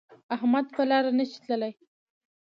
احمد په لاره نشي تللی